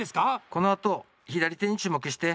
このあと、左手に注目して。